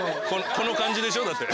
この感じでしょ？だって。